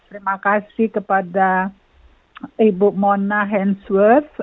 terima kasih kepada ibu mona handsweth